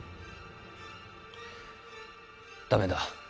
駄目だ。